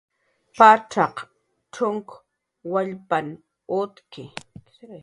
Pacxaq cxunk wallpanh utki